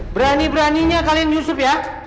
berani beraninya kalian yusuf ya